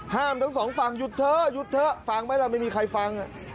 ห้ามทั้งสองฝั่งหยุดเถอะฟังไหมเราไม่มีใครฟัง